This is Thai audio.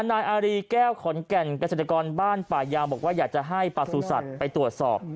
นายอารีแก้วขอนแก่นกระจัดกรบ้านป่ายยาวบอกว่าอยากจะให้ประสูจน์สัตว์ไปตรวจสอบ